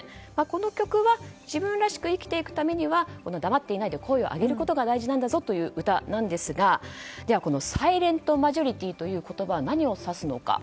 この曲は自分らしく生きていくためには黙っていないで声を上げることが大事なんだという歌なんですが、ではこのサイレントマジョリティーという言葉何を指すのか。